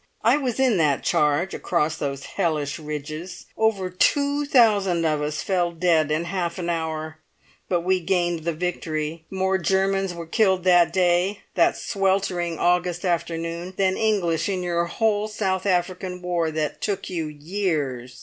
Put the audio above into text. I was in that charge across those hellish ridges. Over two thousand of us fell dead in half an hour, but we gained the victory. More Germans were killed that day—that sweltering August afternoon—than English in your whole South African War that took you years!